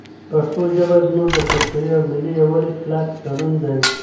پښتو ژبه زموږ د کلتوري او ملي یووالي کلک تړون دی.